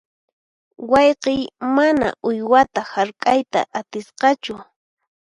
Wayqiy mana uywata hark'ayta atisqachu.